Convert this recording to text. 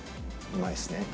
うまいっすね。